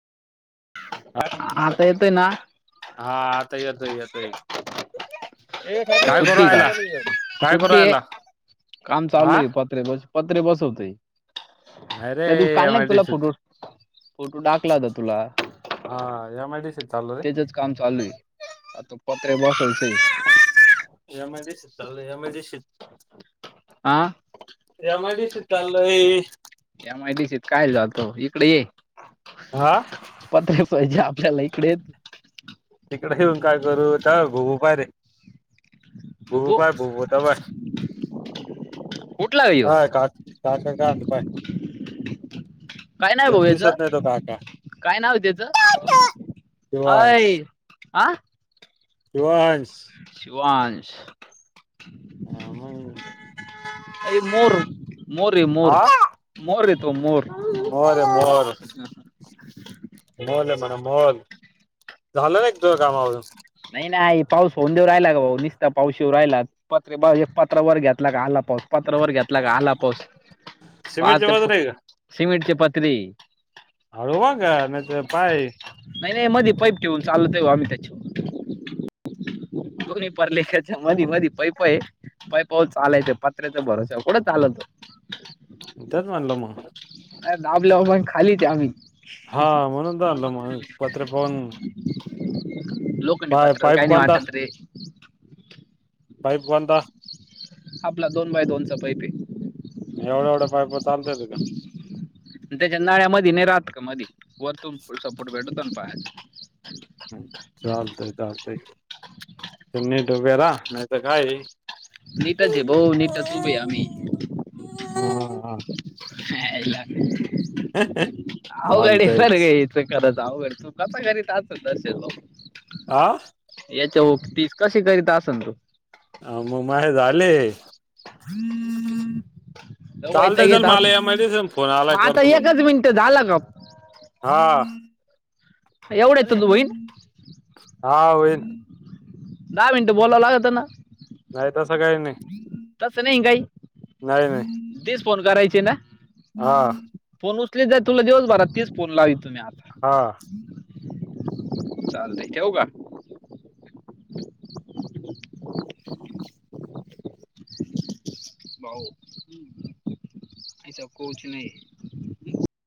आता येतय ना.... हा आता येतो येतय.... सुट्टी का रायला काय करू सुट्टी आहे रायला काम चालू हा आहे प..... प ब पत्रे बसवतय नाही रे त्या दिवशी काल एम नाही आय डी तुला सी फोटो.... त. फोटो टाकला होता तुला हा एम आय डी सी त चाललो रे त्याच्यात...... काम चालू आहे आता पत्रे बसवायचंय.... एम ए शत एम ए श... हा एमआयडीसी चाललोय. एमआयडीसीत काय जातो इकडे ये.... आ.... पत्र पाहिजे आपल्याला इकडे.... तिकडे येऊन काय करू भोपा रे बबू भुपाय भोता बाय. कुठला आहे ह्यो... हा का काका का पाय काय नाव ते भाऊ याच दिसत नाही तो काका काय नाव त्याच.... शिवांश अय आ... शिवांश..... शिवांश... ह मग..... अई मोर, मोरये मोर, हा मोरये तो मोर. मोर मोर. मोल हे मन मोल, झालं ये तुज काम आवरून. नाही नाही पाऊस होऊन देव राहिला का भाऊ नीसता पाऊश येऊ राहिलात. पत्रे बाऊ एक पात्र वर घेतला का आला पाऊस. पात्रा वर घेतला का आला पाऊस, पा सिमेंटच्या ते, बाजूला आहे का सिमेंटची पत्रे. हळू वा का नाही ते पाय नाही नाही मध्ये पईप ठेवून चालते बा आमही त्याच्या दुणीही परलेखेत. त्या मधी मधी पैप आहे, पैपावर चालायच पात्र्याचा भरोसा कुठं चालतो. तेच म्हणलं म. अ दाबल्यावर म खालीच आम्ही. हा म्हणून [unintelligible] मग, पत्रे पाऊन लोखंडी पत्र्यावर पाईप काय नाही कोणता वाटत रे. पाईप वनदा. आपला दोन बाय दोनचा पैपये. एवढ्या एवढ्या पाईपा चालत्यात का? त्याच्या नाळ्यामधी नाही राहात का मधी, वरतून सपोर्ट भेटतो ना पायाना. चालतय चालतय, नीट उभे राहा नाही तर काय ये. नीटच आहे भाऊ नीटच उभे आहे आम्ही. हा आयला, अवघड चालतयच बरगेत. ते करत आहोत, तू काचा घरी [unintelligible] दर्शन भाऊ. आं. याच्यावर पीस कसे करीत असन तो. अ म माझे झाले. लय चालतय वैताग चल येत मला असेल एमआयडीसी मधन फोन आलाय करतो फोन तुला. ते झालं काम. हा. एवढ्यात तुझं होईन. हा होईन दहा मिनटं बोलावं लागत ना. नाही तसं काही नाही. तसं नाही काही. नाय नाय. तीस फोन करायचे ना. हा. फोन उचलीत जा तुला दिवसभरात तीस फोन लावीतो मी आता. हा. चालतय ठेऊ का? [inaudible] भाऊ. ऐसा कुच नही.